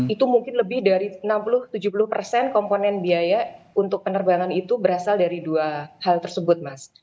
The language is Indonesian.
itu mungkin lebih dari enam puluh tujuh puluh persen komponen biaya untuk penerbangan itu berasal dari dua hal tersebut mas